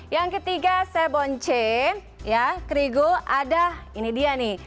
yang ketiga sebonche ya kerigu ada ini dia nih